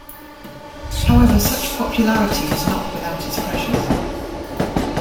However, such popularity was not without its pressures.